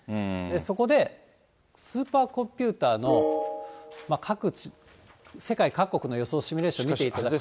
そこでスーパーコンピューターの各地、世界各国の予想シミュレーションを見ていただくと。